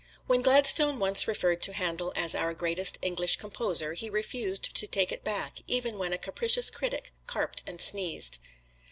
When Gladstone once referred to Handel as our greatest English Composer, he refused to take it back even when a capricious critic carped and sneezed.